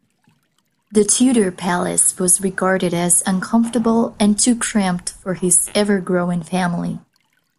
The Tudor palace was regarded as uncomfortable and too cramped for his ever-growing family.